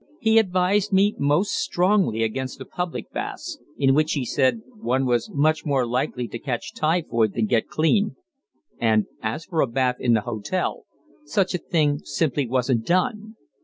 He advised me most strongly against the public baths, in which, he said, one was much more likely to catch typhoid than get clean, and as for a bath in the hotel, such a thing simply wasn't done.